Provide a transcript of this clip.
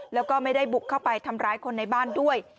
แล้วก็ไม่ได้บุกเข้าไปทำร้ายคนในบ้านด้วย